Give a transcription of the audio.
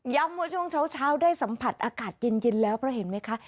ว่าช่วงเช้าได้สัมผัสอากาศเย็นแล้วเพราะเห็นไหมคะ